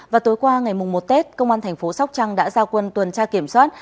và tối qua ngày một tết công an thành phố sóc trăng đã giao quân tuần tra kiểm soát